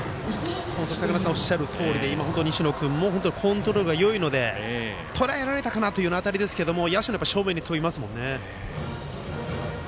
坂梨さんがおっしゃるとおりで、西野君も本当にコントロールがよいのでとらえられたかなという当たりですけど野手の正面に飛びますもんね。